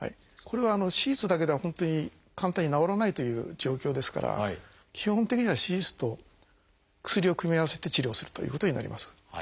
これは手術だけでは本当に簡単に治らないという状況ですから基本的には手術と薬を組み合わせて治療するということになります。